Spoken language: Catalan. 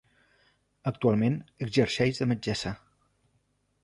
Actualment exerceix de metgessa.